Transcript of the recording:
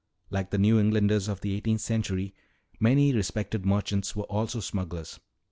Like the New Englanders of the eighteenth century, many respected merchants were also smugglers."